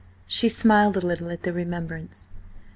She smiled a little at the remembrance.